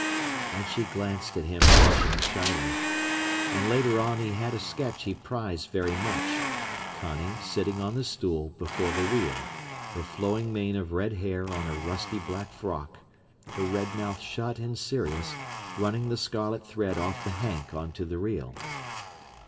And she glanced at him blushing shyly. And later on he had a sketch he prized very much: Connie sitting on the stool before the wheel, her flowing mane of red hair on her rusty black frock, her red mouth shut and serious, running the scarlet thread off the hank on to the reel.